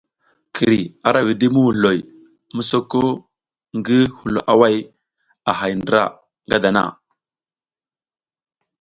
Kiri ara widi muhuloy mi soka ngi hulo away a hay ndra nga dana.